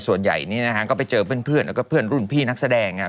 ส่วนใหญ่นี่นะครับไปเจอเพื่อนรุ่นพี่นักแสดง